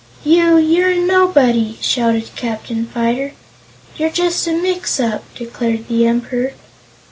"You? You're a Nobody!" shouted Captain Fyter. "You're just a mix up," declared the Emperor.